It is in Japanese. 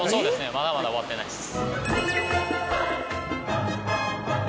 まだまだ終わってないです。